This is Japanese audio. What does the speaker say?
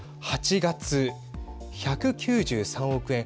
８月、１９３億円。